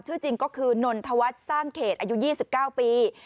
ชื่อจริงก็คือนนทวัฒน์สร้างเขตอายุ๒๙ปี